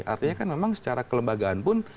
artinya kan memang secara kelembagaan pun